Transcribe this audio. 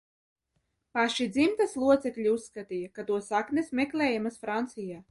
Paši dzimtas locekļi uzskatīja, ka to saknes meklējamas Francijā.